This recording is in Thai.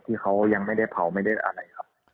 ที่เขายังไม่ได้เผาไม่ได้อะไรครับ